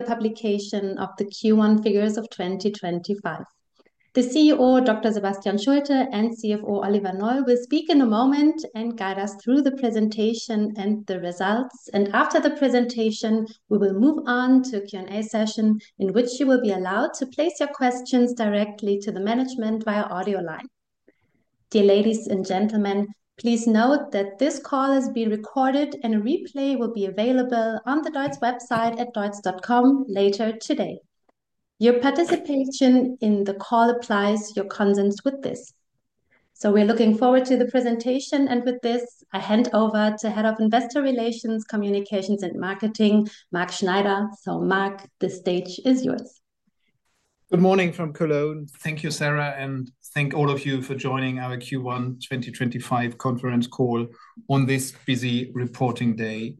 The publication of the Q1 figures of 2025. The CEO, Dr. Sebastian Schulte, and CFO, Oliver Neu, will speak in a moment and guide us through the presentation and the results. After the presentation, we will move on to a Q&A session in which you will be allowed to place your questions directly to the management via audio line. Dear ladies and gentlemen, please note that this call has been recorded, and a replay will be available on the DEUTZ website at deutz.com later today. Your participation in the call applies your consents with this. We are looking forward to the presentation. With this, I hand over to Head of Investor Relations, Communications and Marketing, Mark Schneider. Mark, the stage is yours. Good morning from Cologne. Thank you, Sarah, and thank all of you for joining our Q1 2025 conference call on this busy reporting day.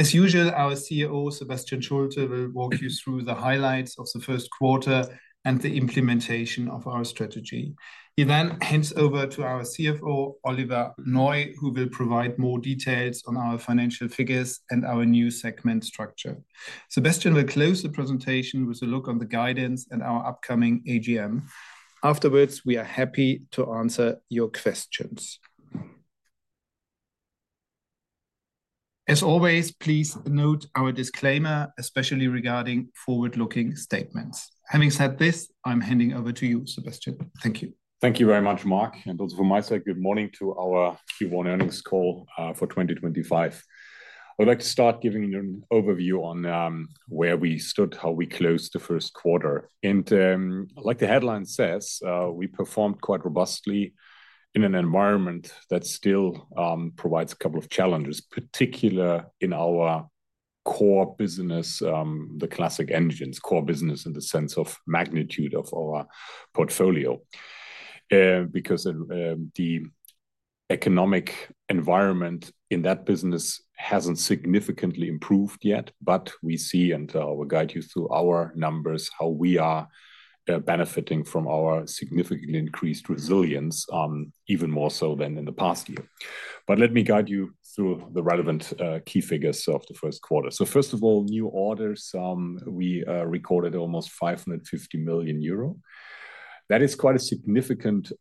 As usual, our CEO, Sebastian Schulte, will walk you through the highlights of the first quarter and the implementation of our strategy. He then hands over to our CFO, Oliver Neu, who will provide more details on our financial figures and our new segment structure. Sebastian will close the presentation with a look on the guidance and our upcoming AGM. Afterwards, we are happy to answer your questions. As always, please note our disclaimer, especially regarding forward-looking statements. Having said this, I'm handing over to you, Sebastian. Thank you. Thank you very much, Mark. Also from my side, good morning to our Q1 earnings call for 2025. I would like to start giving you an overview on where we stood, how we closed the first quarter. Like the headline says, we performed quite robustly in an environment that still provides a couple of challenges, particularly in our core business, the classic engines, core business in the sense of magnitude of our portfolio, because the economic environment in that business has not significantly improved yet. We see, and I will guide you through our numbers, how we are benefiting from our significantly increased resilience, even more so than in the past year. Let me guide you through the relevant key figures of the first quarter. First of all, new orders, we recorded almost 550 million euro. That is quite a significant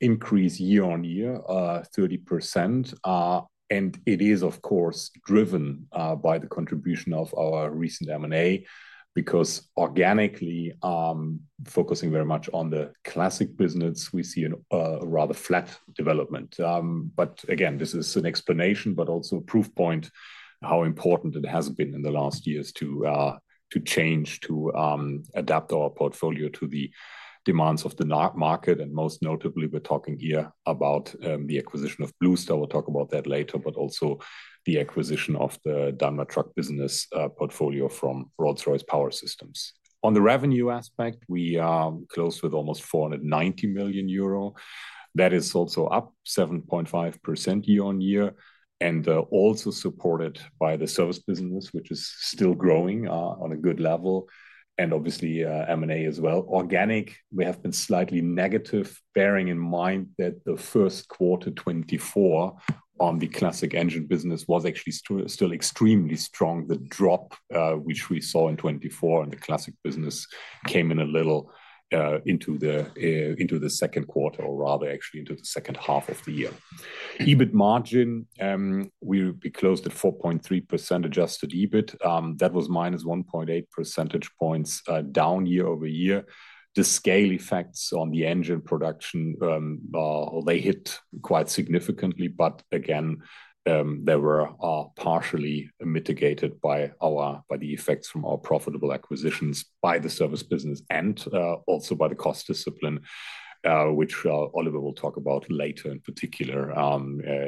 increase year on year, 30%. It is, of course, driven by the contribution of our recent M&A because organically, focusing very much on the classic business, we see a rather flat development. This is an explanation, but also a proof point how important it has been in the last years to change to adapt our portfolio to the demands of the market. Most notably, we're talking here about the acquisition of Blue Star Power Systems. We'll talk about that later, but also the acquisition of the Daimler Truck business portfolio from Rolls-Royce Power Systems. On the revenue aspect, we closed with almost 490 million euro. That is also up 7.5% year on year, and also supported by the service business, which is still growing on a good level, and obviously M&A as well. Organic, we have been slightly negative, bearing in mind that the first quarter 2024 on the classic engine business was actually still extremely strong. The drop which we saw in 2024 in the classic business came in a little into the second quarter, or rather actually into the second half of the year. EBIT margin, we closed at 4.3% adjusted EBIT. That was minus 1.8 percentage points down year over year. The scale effects on the engine production, they hit quite significantly, but again, they were partially mitigated by the effects from our profitable acquisitions by the service business and also by the cost discipline, which Oliver will talk about later in particular.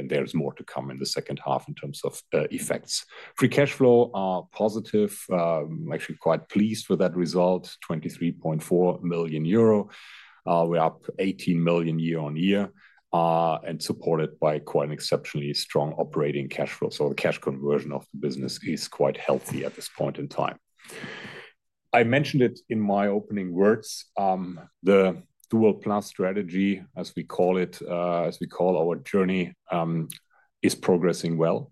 There is more to come in the second half in terms of effects. Free cash flow are positive. I'm actually quite pleased with that result, 23.4 million euro. We're up 18 million year-on-year and supported by quite an exceptionally strong operating cash flow. The cash conversion of the business is quite healthy at this point in time. I mentioned it in my opening words. The Dual Plus Strategy, as we call it, as we call our journey, is progressing well.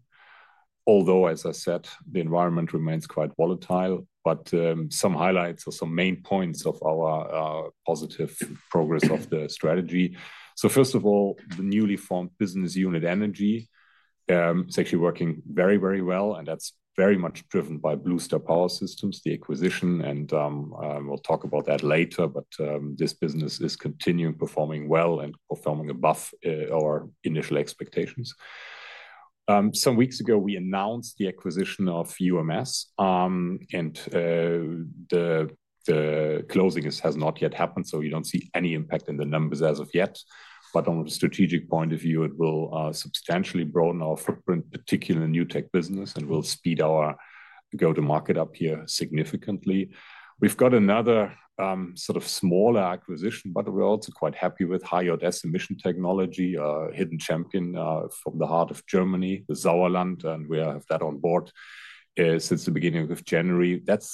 Although, as I said, the environment remains quite volatile, some highlights or some main points of our positive progress of the strategy. First of all, the newly formed business unit energy is actually working very, very well, and that's very much driven by Blue Star Power Systems, the acquisition, and we'll talk about that later. This business is continuing performing well and performing above our initial expectations. Some weeks ago, we announced the acquisition of UMS, and the closing has not yet happened, so we do not see any impact in the numbers as of yet. From a strategic point of view, it will substantially broaden our footprint, particularly in the new tech business, and will speed our go-to-market up here significantly. We have got another sort of smaller acquisition, but we are also quite happy with higher emission technology, a hidden champion from the heart of Germany, the Sauerland, and we have that on board since the beginning of January. That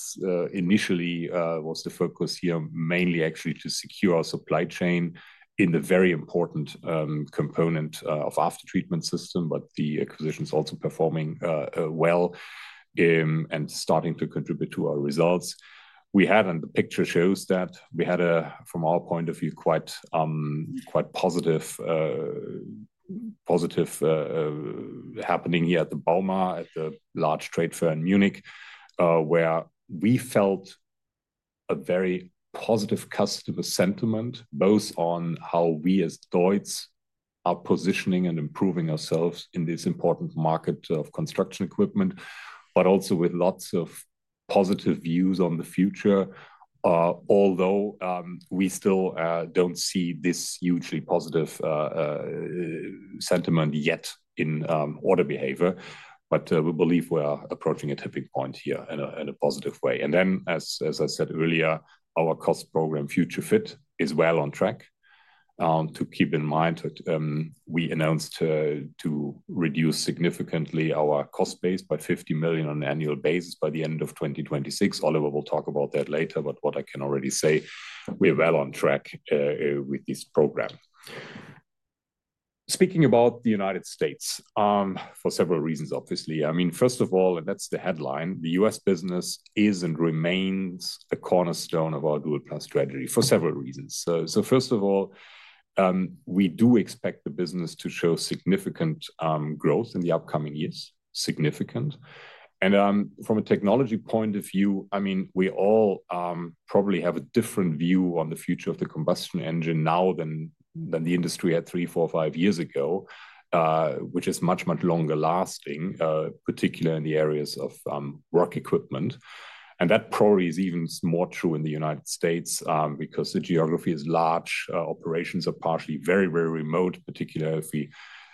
initially was the focus here, mainly actually to secure our supply chain in the very important component of aftertreatment system, but the acquisition is also performing well and starting to contribute to our results. We had, and the picture shows that we had, from our point of view, quite positive happening here at the Bauma, at the large trade fair in Munich, where we felt a very positive customer sentiment, both on how we as DEUTZ are positioning and improving ourselves in this important market of construction equipment, but also with lots of positive views on the future. Although we still do not see this hugely positive sentiment yet in order behavior, we believe we are approaching a tipping point here in a positive way. As I said earlier, our cost program, Future Fit, is well on track. To keep in mind, we announced to reduce significantly our cost base by 50 million on an annual basis by the end of 2026. Oliver will talk about that later, but what I can already say, we are well on track with this program. Speaking about the United States, for several reasons, obviously. I mean, first of all, and that's the headline, the U.S. business is and remains a cornerstone of our Dual Plus Strategy for several reasons. First of all, we do expect the business to show significant growth in the upcoming years, significant. From a technology point of view, I mean, we all probably have a different view on the future of the combustion engine now than the industry had three, four, five years ago, which is much, much longer lasting, particularly in the areas of work equipment. That probably is even more true in the United States because the geography is large, operations are partially very, very remote, particularly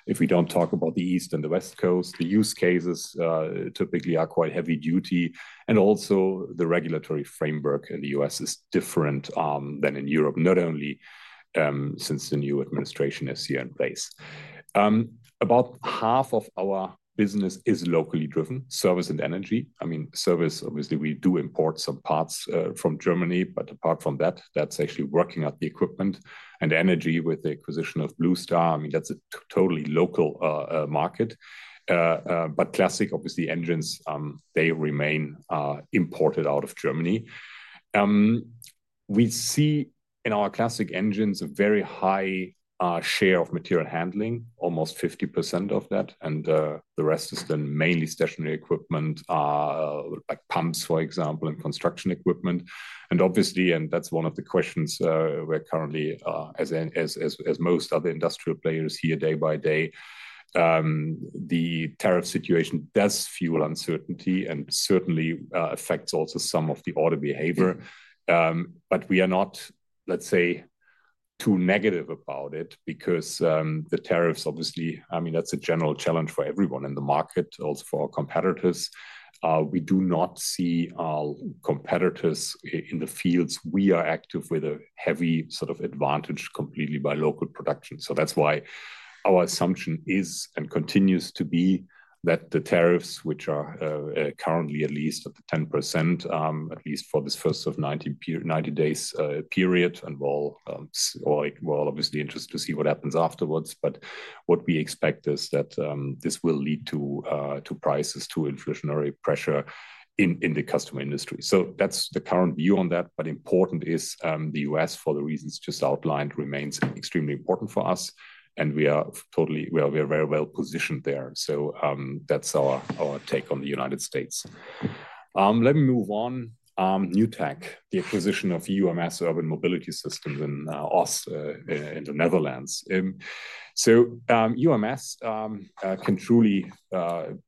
if we do not talk about the East and the West Coast. The use cases typically are quite heavy duty, and also the regulatory framework in the U.S. is different than in Europe, not only since the new administration is here in place. About half of our business is locally driven, service and energy. I mean, service, obviously we do import some parts from Germany, but apart from that, that's actually working out the equipment and energy with the acquisition of Blue Star Power Systems. I mean, that's a totally local market. Classic, obviously engines, they remain imported out of Germany. We see in our classic engines a very high share of material handling, almost 50% of that, and the rest is then mainly stationary equipment, like pumps, for example, and construction equipment. Obviously, and that's one of the questions we're currently, as most other industrial players here, day by day, the tariff situation does fuel uncertainty and certainly affects also some of the order behavior. We are not, let's say, too negative about it because the tariffs, obviously, I mean, that's a general challenge for everyone in the market, also for our competitors. We do not see our competitors in the fields we are active with a heavy sort of advantage completely by local production. That's why our assumption is and continues to be that the tariffs, which are currently at least at the 10%, at least for this first of 90 days period, and we're all obviously interested to see what happens afterwards. What we expect is that this will lead to prices, to inflationary pressure in the customer industry. That's the current view on that. Important is the U.S., for the reasons just outlined, remains extremely important for us, and we are totally, we are very well positioned there. That is our take on the United States. Let me move on. New tech, the acquisition of UMS Urban Mobility Systems in Oss in the Netherlands. UMS can truly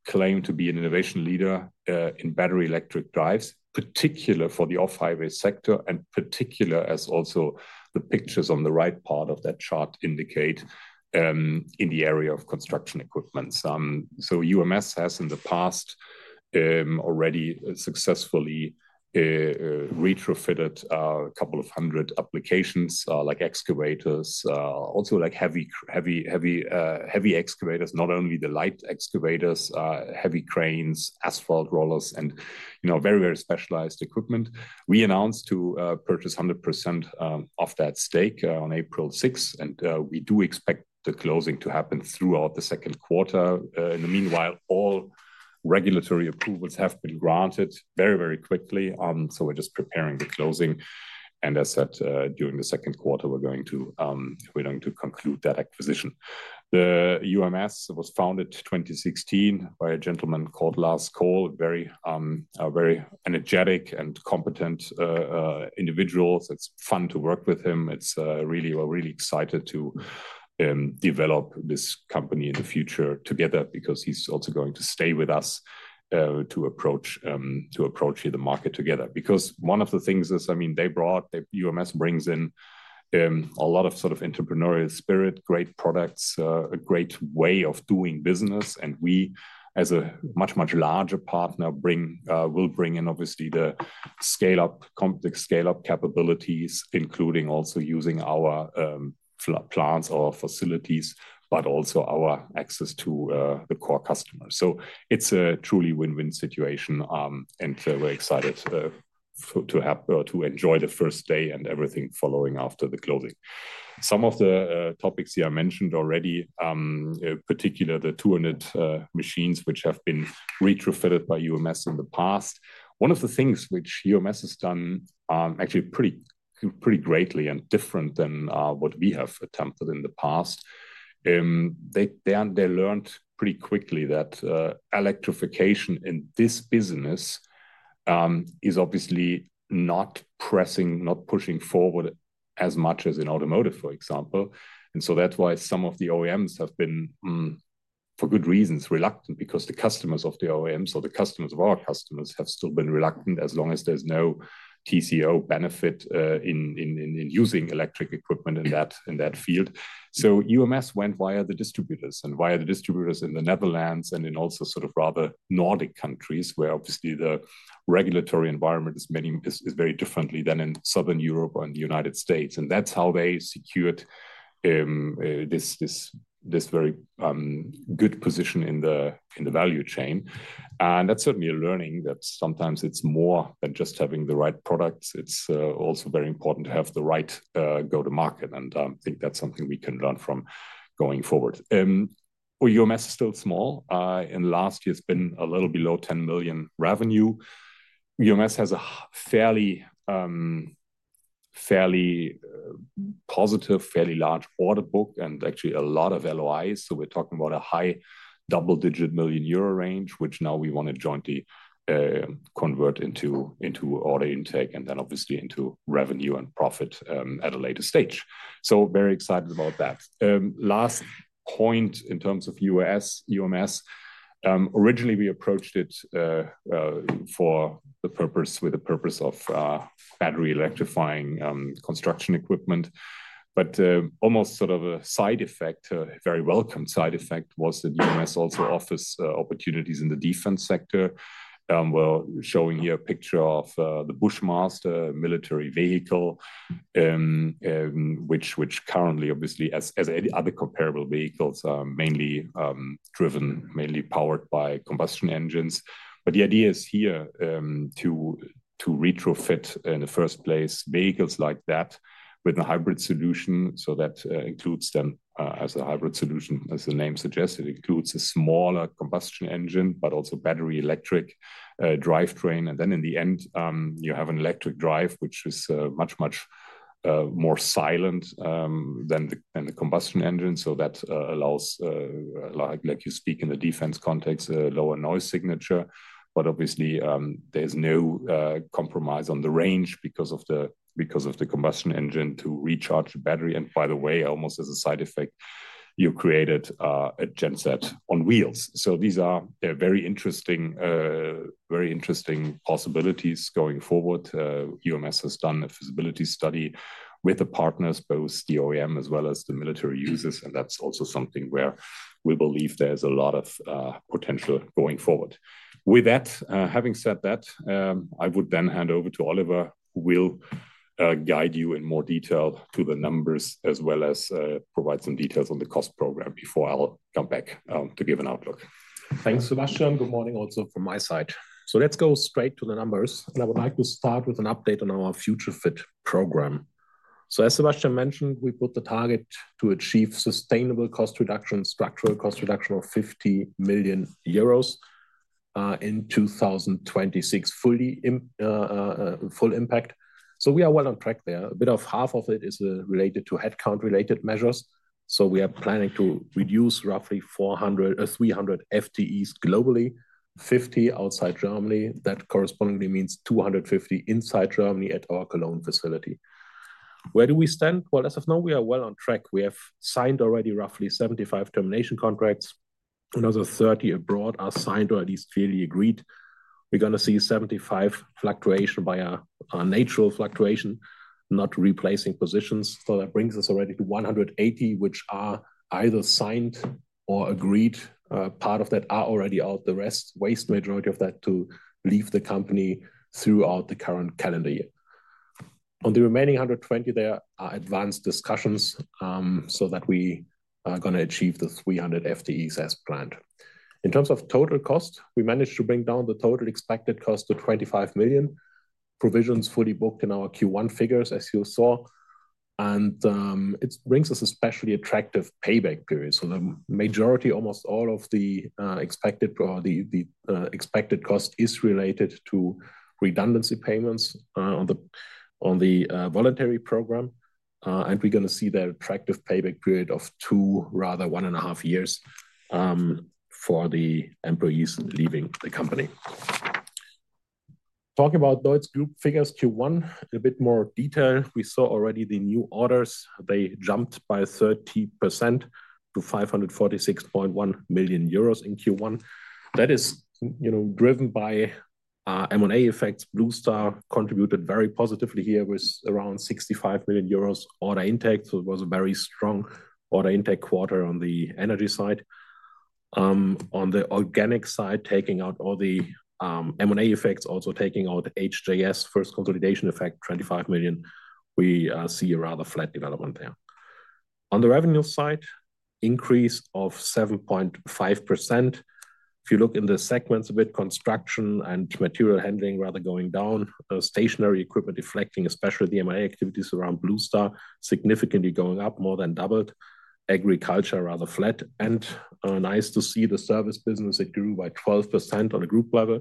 claim to be an innovation leader in battery electric drives, particularly for the off-highway sector, and particularly as also the pictures on the right part of that chart indicate in the area of construction equipment. UMS has in the past already successfully retrofitted a couple of hundred applications like excavators, also like heavy excavators, not only the light excavators, heavy cranes, asphalt rollers, and very, very specialized equipment. We announced to purchase 100% of that stake on April 6, and we do expect the closing to happen throughout the second quarter. In the meanwhile, all regulatory approvals have been granted very, very quickly. We are just preparing the closing. As said, during the second quarter, we are going to conclude that acquisition. UMS was founded in 2016 by a gentleman called Lars Kool a very energetic and competent individual. It is fun to work with him. We are really excited to develop this company in the future together because he is also going to stay with us to approach the market together. One of the things is, I mean, UMS brings in a lot of sort of entrepreneurial spirit, great products, a great way of doing business. We, as a much, much larger partner, will bring in obviously the complex scale-up capabilities, including also using our plants or facilities, but also our access to the core customers. It is a truly win-win situation, and we're excited to enjoy the first day and everything following after the closing. Some of the topics you mentioned already, particularly the 200 machines which have been retrofitted by UMS in the past. One of the things which UMS has done actually pretty greatly and different than what we have attempted in the past, they learned pretty quickly that electrification in this business is obviously not pressing, not pushing forward as much as in automotive, for example. That is why some of the OEMs have been, for good reasons, reluctant, because the customers of the OEMs or the customers of our customers have still been reluctant as long as there's no TCO benefit in using electric equipment in that field. UMS went via the distributors and via the distributors in the Netherlands and in also sort of rather Nordic countries where obviously the regulatory environment is very different than in southern Europe or in the United States. That is how they secured this very good position in the value chain. That is certainly a learning that sometimes it is more than just having the right products. It is also very important to have the right go-to-market, and I think that is something we can learn from going forward. UMS is still small. In last year, it has been a little below 10 million revenue. UMS has a fairly positive, fairly large order book and actually a lot of LOIs. We are talking about a high double-digit million euro range, which now we want to jointly convert into order intake and then obviously into revenue and profit at a later stage. Very excited about that. Last point in terms of UMS, originally we approached it for the purpose of battery electrifying construction equipment, but almost sort of a side effect, a very welcome side effect was that UMS also offers opportunities in the defense sector. We're showing here a picture of the Bushmaster military vehicle, which currently obviously, as any other comparable vehicles, are mainly driven, mainly powered by combustion engines. The idea is here to retrofit in the first place vehicles like that with a hybrid solution. That includes them, as a hybrid solution, as the name suggests, it includes a smaller combustion engine, but also battery electric drivetrain. In the end, you have an electric drive, which is much, much more silent than the combustion engine. That allows, like you speak in the defense context, a lower noise signature. Obviously, there's no compromise on the range because of the combustion engine to recharge the battery. By the way, almost as a side effect, you created a genset on wheels. These are very interesting, very interesting possibilities going forward. UMS has done a feasibility study with the partners, both the OEM as well as the military users. That's also something where we believe there's a lot of potential going forward. With that, having said that, I would then hand over to Oliver who will guide you in more detail to the numbers as well as provide some details on the cost program before I'll come back to give an outlook. Thanks, Sebastian. Good morning also from my side. Let's go straight to the numbers. I would like to start with an update on our Future Fit program. As Sebastian mentioned, we put the target to achieve sustainable cost reduction, structural cost reduction of 50 million euros in 2026, full impact. We are well on track there. A bit of half of it is related to headcount-related measures. We are planning to reduce roughly 300 FTEs globally, 50 outside Germany. That correspondingly means 250 inside Germany at our Cologne facility. Where do we stand? As of now, we are well on track. We have signed already roughly 75 termination contracts. Another 30 abroad are signed or at least clearly agreed. We are going to see 75 fluctuation via natural fluctuation, not replacing positions. That brings us already to 180, which are either signed or agreed. Part of that are already out. The rest, vast majority of that to leave the company throughout the current calendar year. On the remaining 120, there are advanced discussions so that we are going to achieve the 300 FTEs as planned. In terms of total cost, we managed to bring down the total expected cost to 25 million. Provisions fully booked in our Q1 figures, as you saw. It brings us a specially attractive payback period. The majority, almost all of the expected cost is related to redundancy payments on the voluntary program. We are going to see that attractive payback period of two, rather one and a half years for the employees leaving the company. Talking about DEUTZ Group figures Q1, a bit more detail. We saw already the new orders. They jumped by 30% to 546.1 million euros in Q1. That is driven by M&A effects. Blue Star Power Systems contributed very positively here with around 65 million euros order intake. It was a very strong order intake quarter on the energy side. On the organic side, taking out all the M&A effects, also taking out HJS, first consolidation effect, 25 million, we see a rather flat development there. On the revenue side, increase of 7.5%. If you look in the segments a bit, construction and material handling rather going down, stationary equipment deflecting, especially the M&A activities around Blue Star Power Systems, significantly going up, more than doubled. Agriculture rather flat. Nice to see the service business, it grew by 12% on a group level.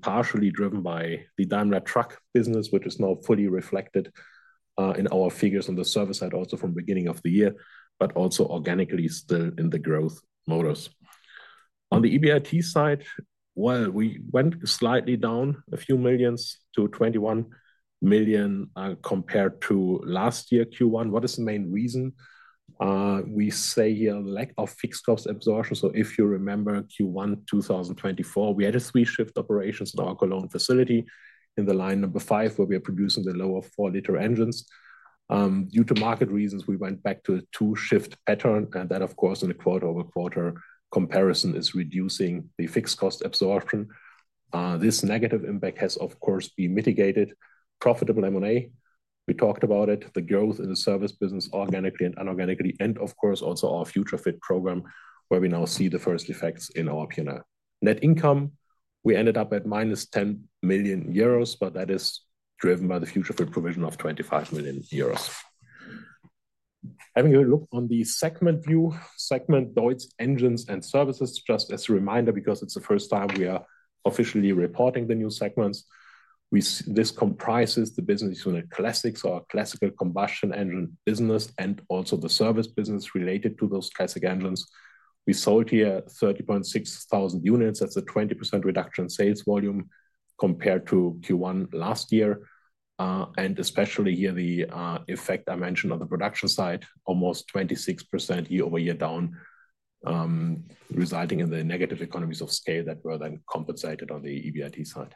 Partially driven by the Daimler Truck business, which is now fully reflected in our figures on the service side also from beginning of the year, but also organically still in the growth motors. On the EBIT side, we went slightly down a few millions to 21 million compared to last year Q1. What is the main reason? We say here lack of fixed cost absorption. If you remember Q1 2024, we had a three-shift operations in our Cologne facility in the line number five where we are producing the lower four-liter engines. Due to market reasons, we went back to a two-shift pattern. That, of course, in a quarter-over-quarter comparison is reducing the fixed cost absorption. This negative impact has, of course, been mitigated. Profitable M&A, we talked about it, the growth in the service business organically and inorganically, and of course, also our Future Fit program where we now see the first effects in our P&L. Net income, we ended up at 10 million euros, but that is driven by the Future Fit provision of 25 million euros. Having a look on the segment view, segment DEUTZ Engines and Services, just as a reminder, because it is the first time we are officially reporting the new segments, this comprises the business unit classics, our classical combustion engine business, and also the service business related to those classic engines. We sold here 30.6 thousand units. That is a 20% reduction in sales volume compared to Q1 last year. Especially here the effect I mentioned on the production side, almost 26% year-over-year down, resulting in the negative economies of scale that were then compensated on the EBIT side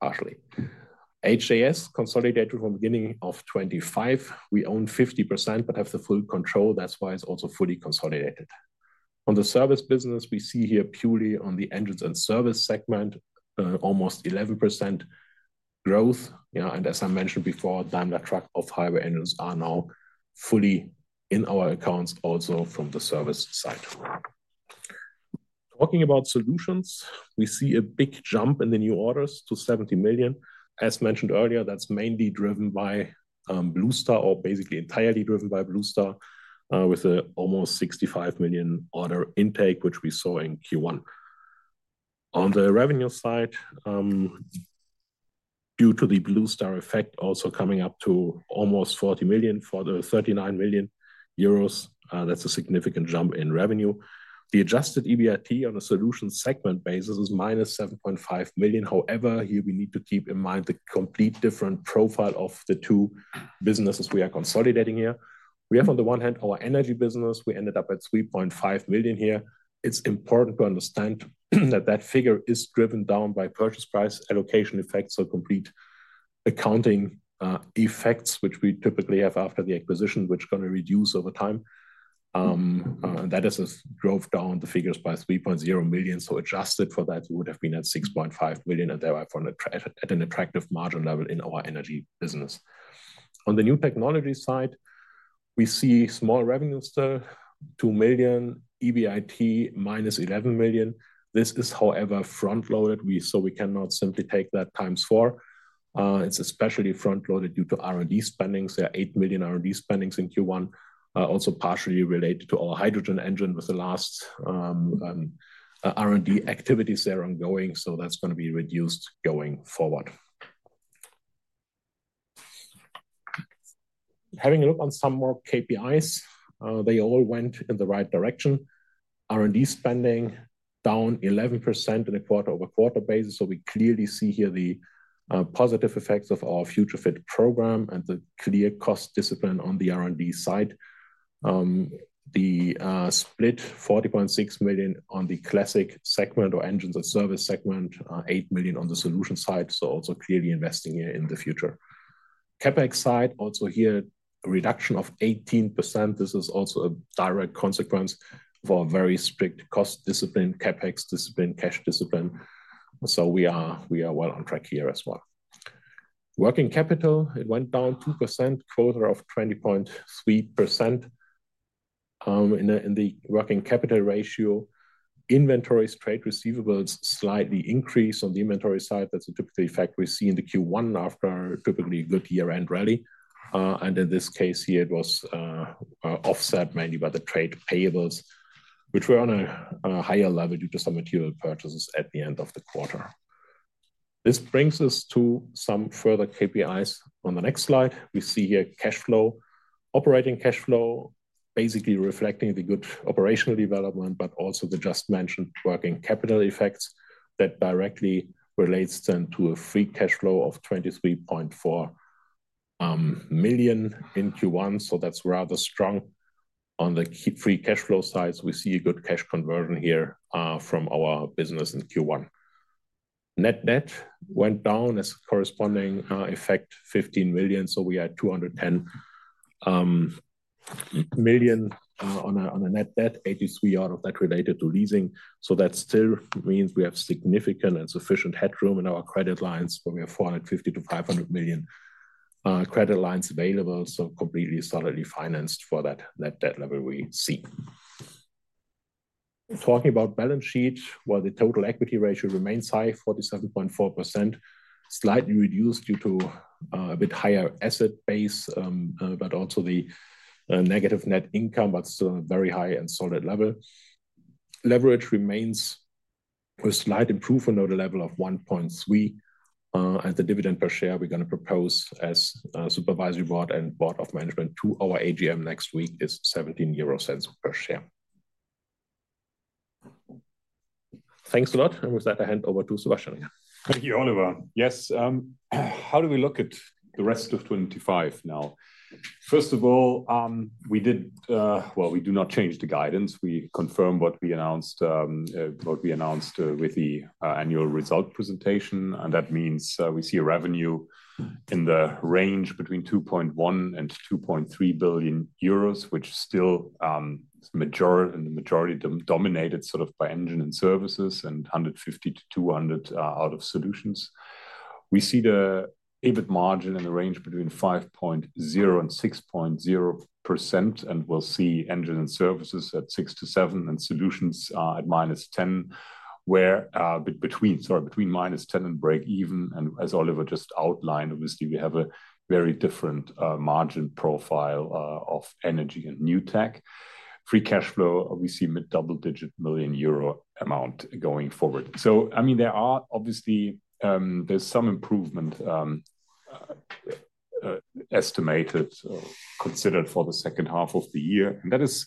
partially. HJS consolidated from beginning of 2025. We own 50% but have the full control. That is why it is also fully consolidated. On the service business, we see here purely on the engines and service segment, almost 11% growth. As I mentioned before, Daimler Truck off-highway engines are now fully in our accounts also from the service side. Talking about solutions, we see a big jump in the new orders to 70 million. As mentioned earlier, that is mainly driven by Blue Star Power Systems or basically entirely driven by Blue Star Power Systems with almost 65 million order intake, which we saw in Q1. On the revenue side, due to the Blue Star Power Systems effect, also coming up to almost 40 million for the 39 million euros, that is a significant jump in revenue. The adjusted EBIT on a solution segment basis is minus 7.5 million. However, here we need to keep in mind the complete different profile of the two businesses we are consolidating here. We have on the one hand our energy business. We ended up at 3.5 million here. It is important to understand that that figure is driven down by purchase price allocation effects. Complete accounting effects, which we typically have after the acquisition, which are going to reduce over time. That has drove down the figures by 3.0 million. Adjusted for that, we would have been at 6.5 million and therefore at an attractive margin level in our energy business. On the new technology side, we see small revenue still, 2 million, EBIT minus 11 million. This is, however, front-loaded. We cannot simply take that times four. It is especially front-loaded due to R&D spending. There are 8 million R&D spending in Q1, also partially related to our hydrogen engine with the last R&D activities that are ongoing. That is going to be reduced going forward. Having a look on some more KPIs, they all went in the right direction. R&D spending down 11% in a quarter-over-quarter basis. We clearly see here the positive effects of our Future Fit program and the clear cost discipline on the R&D side. The split is 40.6 million on the classic segment or engines and service segment, 8 million on the solution side. Also clearly investing here in the future. CapEx side, also here, reduction of 18%. This is also a direct consequence of our very strict cost discipline, CapEx discipline, cash discipline. We are well on track here as well. Working capital went down 2%, quarter of 20.3% in the working capital ratio. Inventory, straight receivables slightly increased on the inventory side. That is a typical effect we see in Q1 after typically a good year-end rally. In this case here, it was offset mainly by the trade payables, which were on a higher level due to some material purchases at the end of the quarter. This brings us to some further KPIs on the next slide. We see here cash flow, operating cash flow, basically reflecting the good operational development, but also the just mentioned working capital effects that directly relates then to a free cash flow of 23.4 million in Q1. That is rather strong on the free cash flow side. We see a good cash conversion here from our business in Q1. Net debt went down as corresponding effect, 15 million. We had 210 million on a net debt, 83 million out of that related to leasing. That still means we have significant and sufficient headroom in our credit lines where we have 450 million- 500 million credit lines available. Completely solidly financed for that net debt level we see. Talking about balance sheet, the total equity ratio remains high, EUR 47.4%, slightly reduced due to a bit higher asset base, but also the negative net income, but still a very high and solid level. Leverage remains with slight improvement at a level of 1.3. The dividend per share we're going to propose as Supervisory Board and Board of Management to our AGM next week is 17 euro per share. Thanks a lot. With that, I hand over to Sebastian. Thank you, Oliver. Yes. How do we look at the rest of 2025 now? First of all, we did, we do not change the guidance. We confirm what we announced with the annual result presentation. That means we see a revenue in the range between 2.1 billion and 2.3 billion euros, which still in the majority dominated sort of by engine and services and 150 million-200 million out of solutions. We see the EBIT margin in the range between 5.0% and 6.0%. We will see engine and services at 6%-7% and solutions at -10% to break even. As Oliver just outlined, obviously, we have a very different margin profile of energy and new tech. Free cash flow, we see mid double-digit million euro amount going forward. I mean, there are obviously, there's some improvement estimated or considered for the second half of the year. That is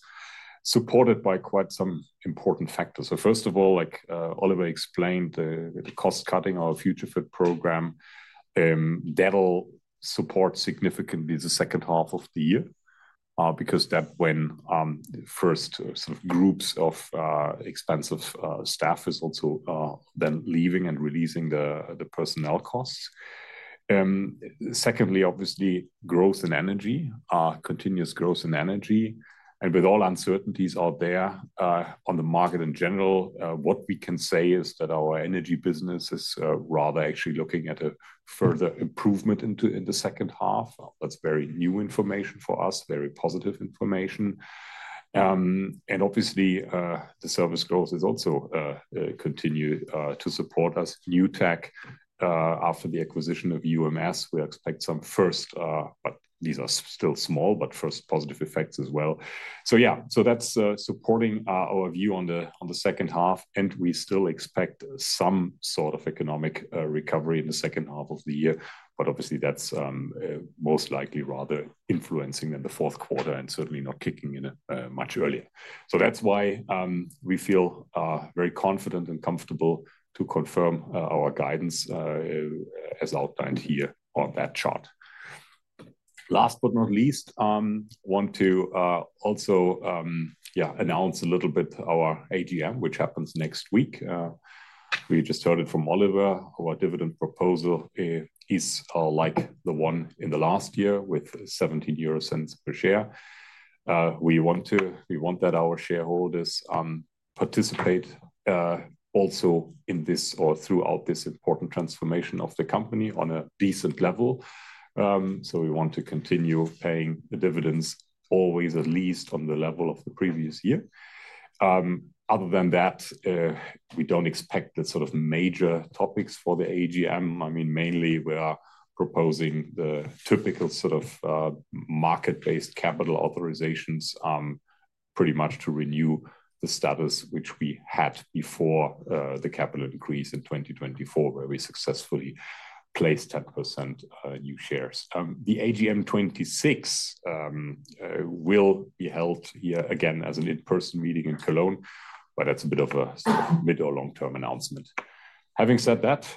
supported by quite some important factors. First of all, like Oliver explained, the cost cutting, our Future Fit program, that'll support significantly the second half of the year because that is when the first sort of groups of expensive staff is also then leaving and releasing the personnel costs. Secondly, obviously, growth in energy, continuous growth in energy. With all uncertainties out there on the market in general, what we can say is that our energy business is rather actually looking at a further improvement into the second half. That is very new information for us, very positive information. Obviously, the service growth is also continuing to support us. New tech after the acquisition of UMS, we expect some first, but these are still small, but first positive effects as well. That is supporting our view on the second half. We still expect some sort of economic recovery in the second half of the year. Obviously, that is most likely rather influencing the fourth quarter and certainly not kicking in much earlier. That is why we feel very confident and comfortable to confirm our guidance as outlined here on that chart. Last but not least, I want to also announce a little bit our AGM, which happens next week. We just heard it from Oliver. Our dividend proposal is like the one in the last year with 1.70 euro per share. We want that our shareholders participate also in this or throughout this important transformation of the company on a decent level. We want to continue paying dividends always at least on the level of the previous year. Other than that, we do not expect the sort of major topics for the AGM. I mean, mainly we are proposing the typical sort of market-based capital authorizations pretty much to renew the status which we had before the capital increase in 2024 where we successfully placed 10% new shares. The AGM 2026 will be held here again as an in-person meeting in Cologne, but that is a bit of a sort of mid or long-term announcement. Having said that,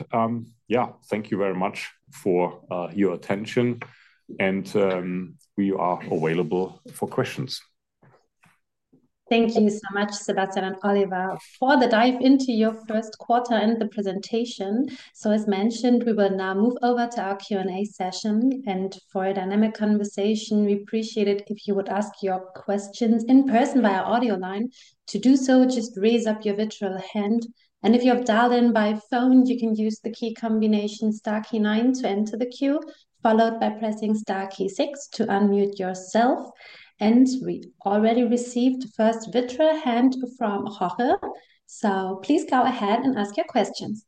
yeah, thank you very much for your attention. We are available for questions. Thank you so much, Sebastian and Oliver, for the dive into your first quarter and the presentation. As mentioned, we will now move over to our Q&A session. For a dynamic conversation, we appreciate it if you would ask your questions in person via audio line. To do so, just raise up your virtual hand. If you have dialed in by phone, you can use the key combination star key nine to enter the queue, followed by pressing star key six to unmute yourself. We already received the first virtual hand from Jorge. Please go ahead and ask your questions.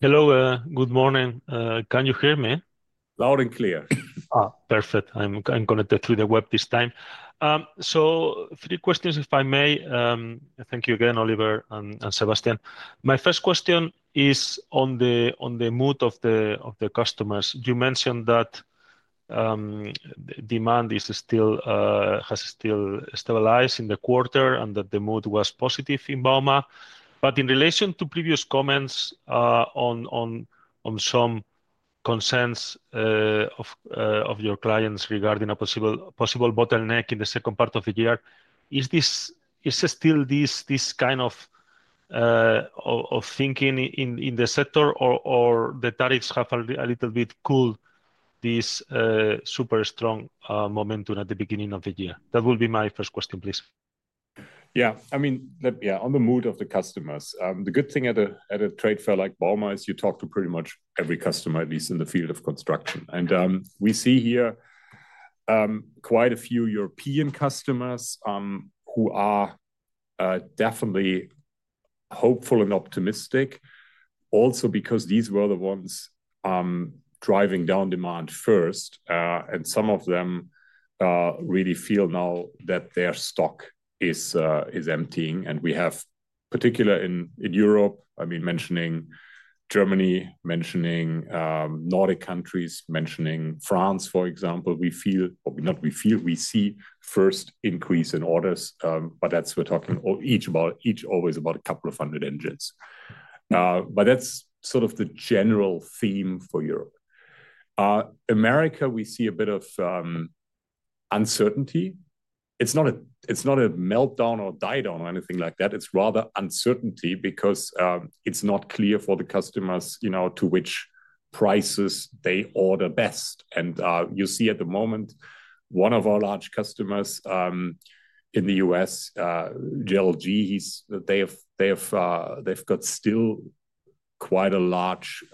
Hello, good morning. Can you hear me? Loud and clear. Perfect. I am going to turn to the web this time. Three questions if I may. Thank you again, Oliver and Sebastian. My first question is on the mood of the customers. You mentioned that demand has still stabilized in the quarter and that the mood was positive in Bauma. In relation to previous comments on some concerns of your clients regarding a possible bottleneck in the second part of the year, is this still this kind of thinking in the sector or have the tariffs a little bit cooled this super strong momentum at the beginning of the year? That will be my first question, please. Yeah, I mean, yeah, on the mood of the customers, the good thing at a trade fair like Bauma is you talk to pretty much every customer, at least in the field of construction. We see here quite a few European customers who are definitely hopeful and optimistic, also because these were the ones driving down demand first. Some of them really feel now that their stock is emptying. We have particular in Europe, I mean, mentioning Germany, mentioning Nordic countries, mentioning France, for example, we feel, or not we feel, we see first increase in orders, but we're talking each about a couple of hundred engines. That is sort of the general theme for Europe. America, we see a bit of uncertainty. It is not a meltdown or die down or anything like that. It is rather uncertainty because it is not clear for the customers to which prices they order best. You see at the moment, one of our large customers in the U.S., JLG, they have still quite a large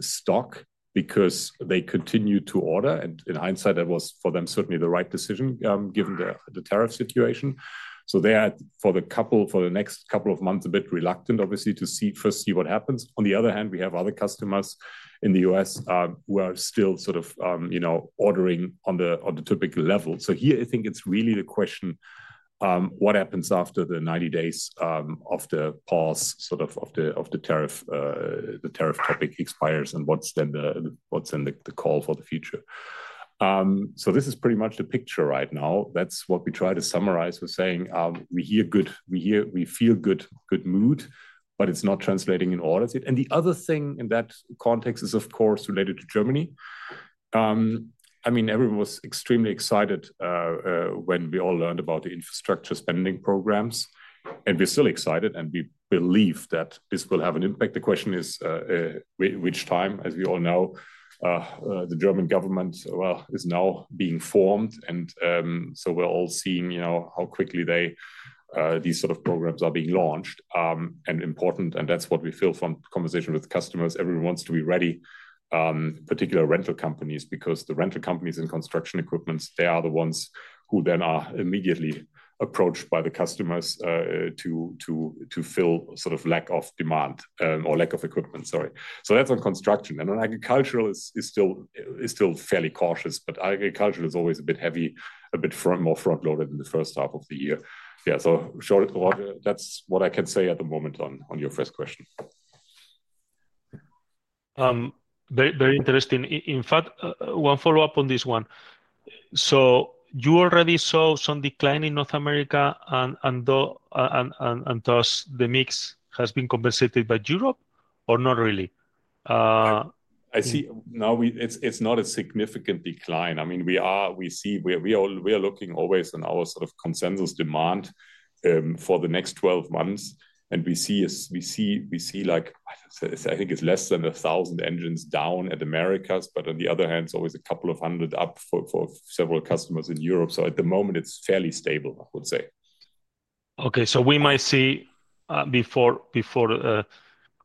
stock because they continue to order. In hindsight, that was for them certainly the right decision given the tariff situation. They are for the next couple of months a bit reluctant, obviously, to first see what happens. On the other hand, we have other customers in the U.S. who are still sort of ordering on the typical level. Here, I think it's really the question what happens after the 90 days of the pause sort of of the tariff topic expires and what's then the call for the future. This is pretty much the picture right now. That's what we try to summarize with saying we hear good, we feel good mood, but it's not translating in orders. The other thing in that context is, of course, related to Germany. I mean, everyone was extremely excited when we all learned about the infrastructure spending programs. We're still excited and we believe that this will have an impact. The question is which time, as we all know, the German government is now being formed. We're all seeing how quickly these sort of programs are being launched and important. That's what we feel from conversation with customers. Everyone wants to be ready, particularly rental companies, because the rental companies in construction equipment, they are the ones who then are immediately approached by the customers to fill sort of lack of demand or lack of equipment, sorry. That's on construction. Agricultural is still fairly cautious, but agricultural is always a bit heavy, a bit more front-loaded in the first half of the year. Yeah, that's what I can say at the moment on your first question. Very interesting. In fact, one follow-up on this one. You already saw some decline in North America and thus the mix has been compensated by Europe or not really? I see. No, it's not a significant decline. I mean, we see we are looking always on our sort of consensus demand for the next 12 months. And we see like, I think it's less than 1,000 engines down at Americas, but on the other hand, it's always a couple of hundred up for several customers in Europe. At the moment, it's fairly stable, I would say. Okay. We might see before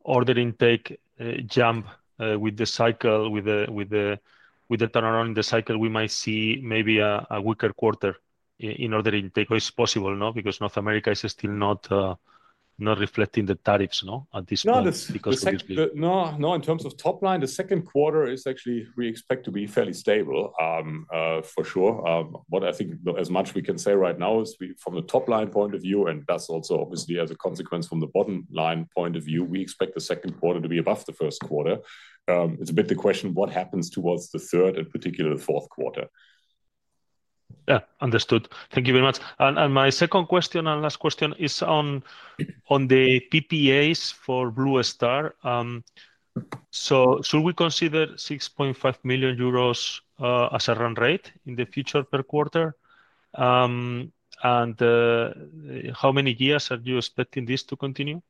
order intake jump with the cycle, with the turnaround in the cycle, we might see maybe a weaker quarter in order intake. It's possible, no, because North America is still not reflecting the tariffs at this point. No, no, in terms of top line, the second quarter is actually we expect to be fairly stable for sure. What I think as much we can say right now is from the top line point of view and thus also obviously as a consequence from the bottom line point of view, we expect the second quarter to be above the first quarter. It's a bit the question what happens towards the third and particularly the fourth quarter. Yeah, understood. Thank you very much. My second question and last question is on the PPAs for Blue Star. Should we consider 6.5 million euros as a run rate in the future per quarter? How many years are you expecting this to continue?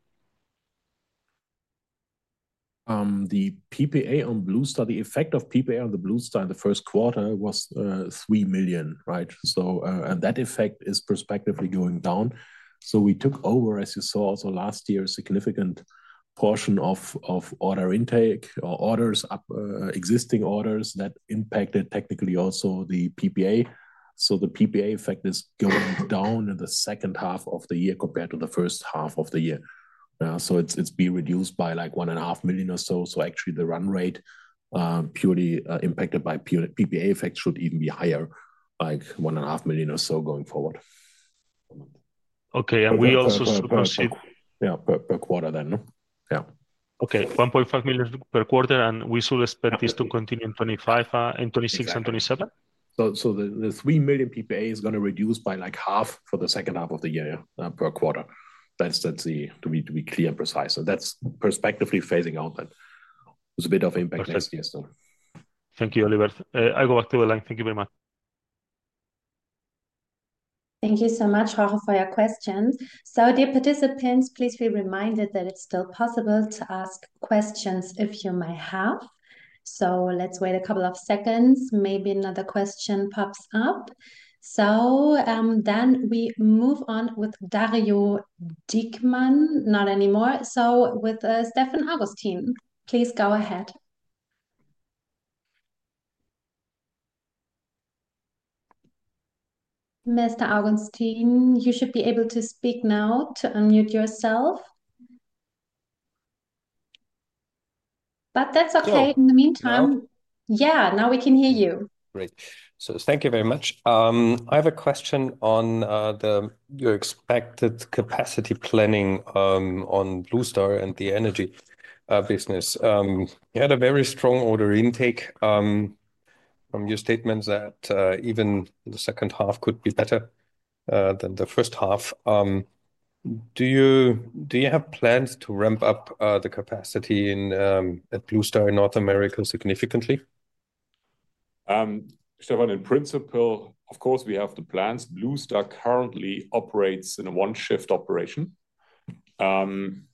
The PPA on Blue Star, the effect of PPA on the Blue Star in the first quarter was 3 million, right? That effect is perspectively going down. We took over, as you saw also last year, a significant portion of order intake or existing orders that impacted technically also the PPA. The PPA effect is going down in the second half of the year compared to the first half of the year. It has been reduced by like 1.5 million or so. Actually, the run rate purely impacted by PPA effect should even be higher, like 1.5 million or so going forward. Okay. We also should proceed. Yeah, per quarter then. Yeah. Okay. 1.5 million per quarter. We should expect this to continue in 2025, in 2026, and 2027? The 3 million PPA is going to reduce by like half for the second half of the year per quarter. That is to be clear and precise. That is perspectively phasing out. It's a bit of impact next year, so. Thank you, Oliver. I go back to the line. Thank you very much. Thank you so much, Jorge, for your questions. Dear participants, please be reminded that it's still possible to ask questions if you may have. Let's wait a couple of seconds. Maybe another question pops up. We move on with Dario Diekmann, not anymore. With Stefan Augustin, please go ahead. Mr. Augustin, you should be able to speak now to unmute yourself. That's okay. In the meantime, yeah, now we can hear you. Great. Thank you very much. I have a question on your expected capacity planning on Blue Star and the energy business. You had a very strong order intake from your statements that even the second half could be better than the first half. Do you have plans to ramp up the capacity at Blue Star in North America significantly? Stefan, in principle, of course, we have the plans. Blue Star currently operates in a one-shift operation.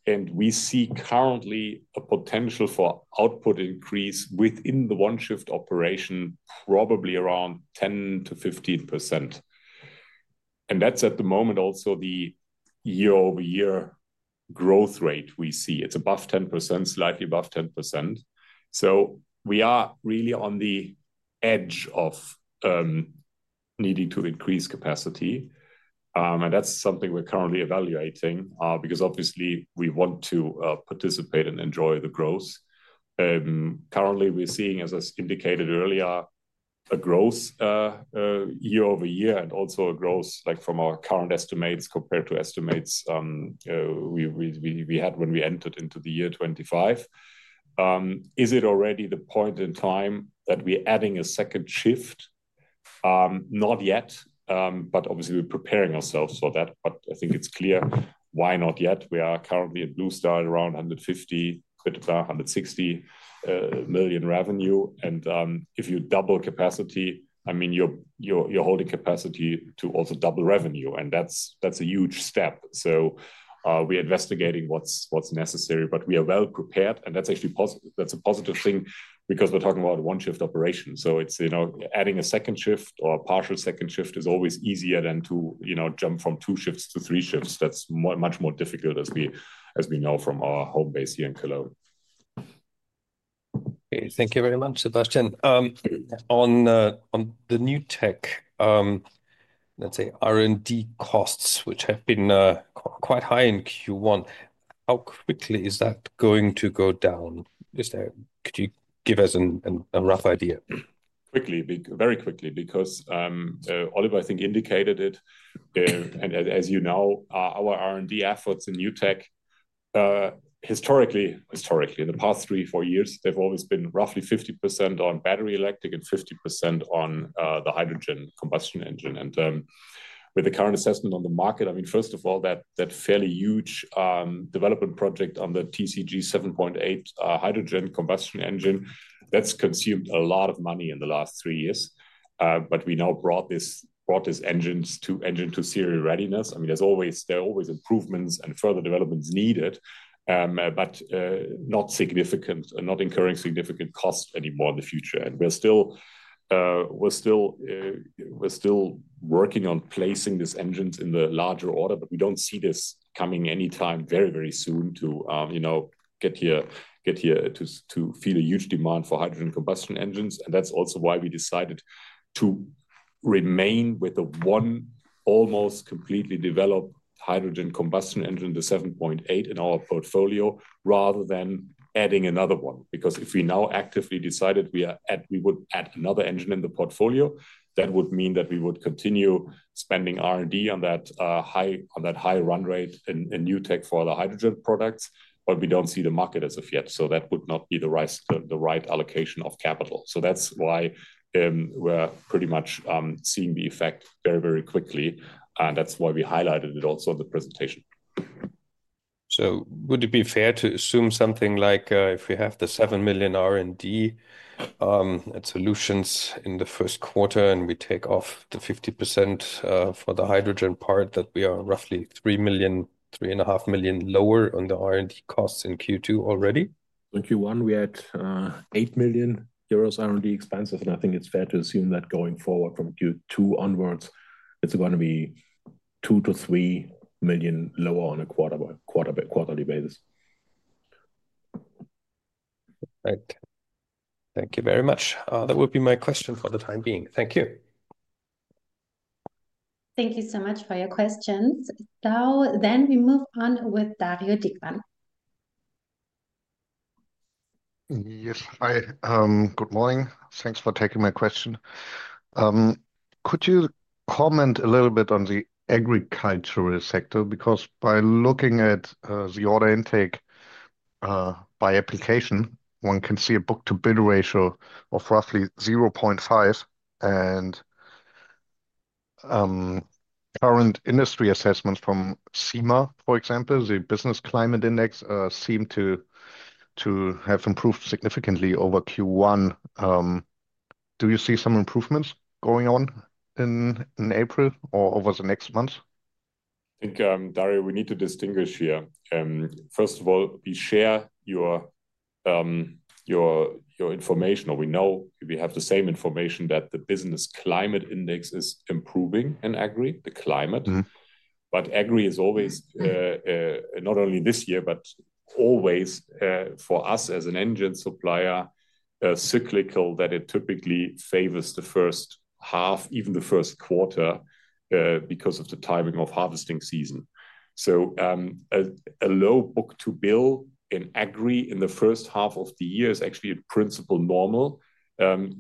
We see currently a potential for output increase within the one-shift operation, probably around 10-15%. That is at the moment also the year-over-year growth rate we see. It is above 10%, slightly above 10%. We are really on the edge of needing to increase capacity. That is something we are currently evaluating because obviously we want to participate and enjoy the growth. Currently, we are seeing, as I indicated earlier, a growth year-over-year and also a growth from our current estimates compared to estimates we had when we entered into the year 2025. Is it already the point in time that we are adding a second shift? Not yet, but obviously we are preparing ourselves for that. I think it's clear why not yet. We are currently at Blue Star Power Systems around 150 million-160 million revenue. If you double capacity, I mean, you're holding capacity to also double revenue. That's a huge step. We are investigating what's necessary, but we are well prepared. That's actually a positive thing because we're talking about a one-shift operation. Adding a second shift or a partial second shift is always easier than to jump from two shifts to three shifts. That's much more difficult as we know from our home base here in Cologne. Thank you very much, Sebastian. On the new tech, let's say R&D costs, which have been quite high in Q1, how quickly is that going to go down? Could you give us a rough idea? Quickly, very quickly, because Oliver, I think, indicated it. As you know, our R&D efforts in new tech, historically, in the past three, four years, they've always been roughly 50% on battery electric and 50% on the hydrogen combustion engine. With the current assessment on the market, I mean, first of all, that fairly huge development project on the TCG 7.8 hydrogen combustion engine, that's consumed a lot of money in the last three years. We now brought this engine to serial readiness. I mean, there are always improvements and further developments needed, but not significant and not incurring significant costs anymore in the future. We're still working on placing these engines in the larger order, but we don't see this coming anytime very, very soon to get here to feel a huge demand for hydrogen combustion engines. That is also why we decided to remain with the one almost completely developed hydrogen combustion engine, the 7.8, in our portfolio rather than adding another one. If we now actively decided we would add another engine in the portfolio, that would mean that we would continue spending R&D on that high run rate in new tech for the hydrogen products, but we do not see the market as of yet. That would not be the right allocation of capital. That is why we are pretty much seeing the effect very, very quickly. That is why we highlighted it also in the presentation. Would it be fair to assume something like if we have the 7 million R&D at solutions in the first quarter and we take off the 50% for the hydrogen part that we are roughly 3 million-3.5 million lower on the R&D costs in Q2 already? In Q1, we had 8 million euros R&D expenses. I think it's fair to assume that going forward from Q2 onwards, it's going to be 2 million-3 million lower on a quarterly basis. Perfect. Thank you very much. That would be my question for the time being. Thank you. Thank you so much for your questions. We move on with Dario Diekmann. Yes. Hi. Good morning. Thanks for taking my question. Could you comment a little bit on the agricultural sector? Because by looking at the order intake by application, one can see a book-to-bill ratio of roughly 0.5. Current industry assessments from CEMA, for example, the Business Climate Index, seem to have improved significantly over Q1. Do you see some improvements going on in April or over the next months? I think, Dario, we need to distinguish here. First of all, we share your information, or we know we have the same information that the Business Climate Index is improving in Agri, the climate. Agri is always not only this year, but always for us as an engine supplier, cyclical that it typically favors the first half, even the first quarter, because of the timing of harvesting season. A low book-to-bill in Agri in the first half of the year is actually a principle normal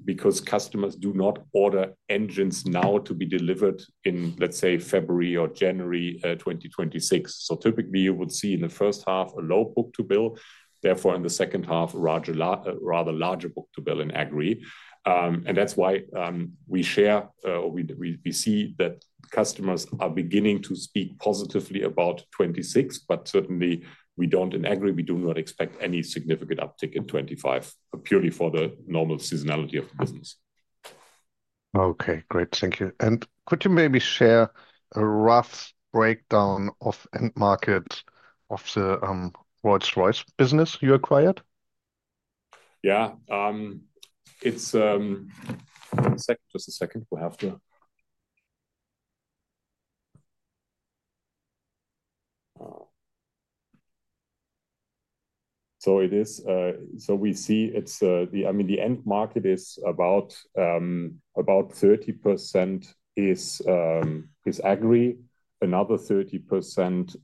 because customers do not order engines now to be delivered in, let's say, February or January 2026. Typically, you would see in the first half a low book-to-bill. Therefore, in the second half, a rather larger book-to-bill in agri. That is why we share or we see that customers are beginning to speak positively about 2026, but certainly, in Agri, we do not expect any significant uptick in 2025 purely for the normal seasonality of the business. Okay. Great. Thank you. Could you maybe share a rough breakdown of end market of the Rolls-Royce business you acquired? Yeah. Just a second. We have to. We see the end market is about 30% is Agri. Another 30%,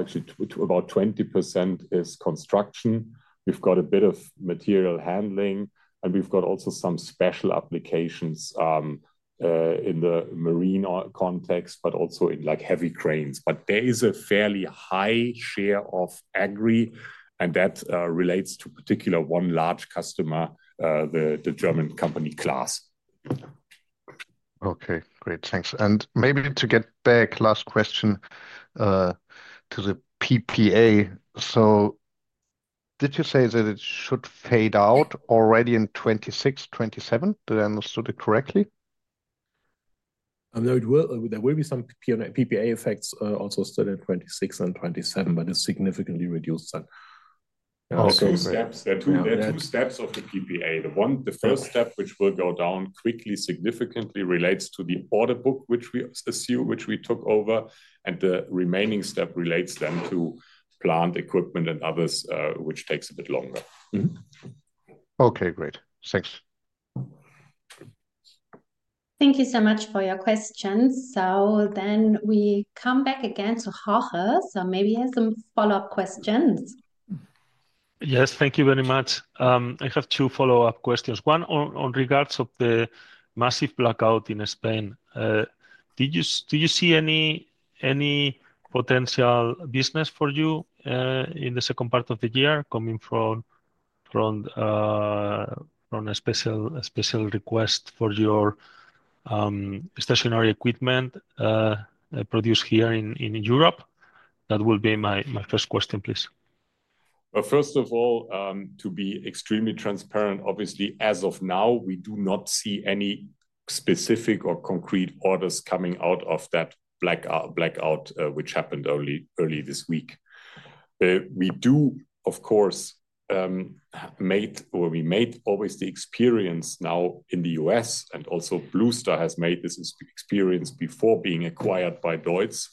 actually about 20% is construction. We've got a bit of material handling, and we've got also some special applications in the marine context, but also in heavy cranes. There is a fairly high share of Agri, and that relates to particular one large customer, the German company CLAAS. Okay. Great. Thanks. Maybe to get back, last question to the PPA. Did you say that it should fade out already in 2026, 2027? Did I understand it correctly? No, there will be some PPA effects also still in 2026 and 2027, but it's significantly reduced. Also, there are two steps of the PPA. The first step, which will go down quickly, significantly relates to the order book, which we took over. The remaining step relates then to plant equipment and others, which takes a bit longer. Okay. Great. Thanks. Thank you so much for your questions. Then we come back again to Jorge. Maybe he has some follow-up questions. Yes. Thank you very much. I have two follow-up questions. One on regards of the massive blackout in Spain. Did you see any potential business for you in the second part of the year coming from a special request for your stationary equipment produced here in Europe? That will be my first question, please. First of all, to be extremely transparent, obviously, as of now, we do not see any specific or concrete orders coming out of that blackout, which happened early this week. We do, of course, made or we made obviously experience now in the U.S., and also Blue Star has made this experience before being acquired by DEUTZ,